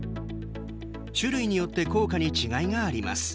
種類によって効果に違いがあります。